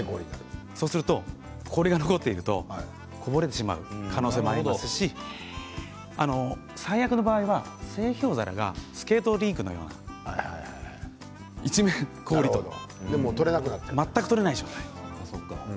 そうすると氷が残っているとこぼれてしまう可能性がありますし最悪の場合は製氷皿がスケートリンクのような一面氷という状態で全く取れない状態。